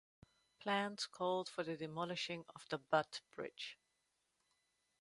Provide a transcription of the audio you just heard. Plans called for the demolishing of the Butt Bridge.